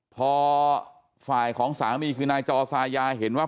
พอฝ่ายของสามีคือนายจอสายาเห็นว่า